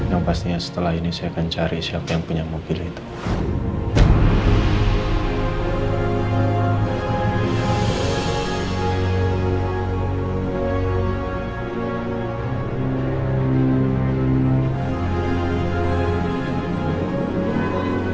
yang pastinya setelah ini saya akan cari siapa yang punya mobil itu